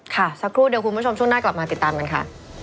สักครู่เดี๋ยวคุณผู้ชมช่วงหน้ากลับมาติดตามกันค่ะ